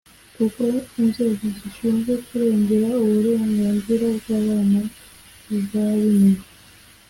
kuko inzego zishinzwe kurengera uburenganzira bw’abana zabimenye